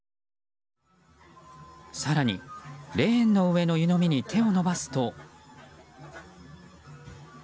更に、レーンの上の湯飲みに手を伸ばすと。